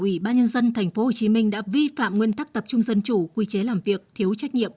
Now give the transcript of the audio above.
ủy ban nhân dân tp hcm đã vi phạm nguyên tắc tập trung dân chủ quy chế làm việc thiếu trách nhiệm